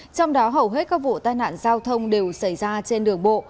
trong đó hầu hết các vụ tai nạn giao thông đều xảy ra trên đường bộ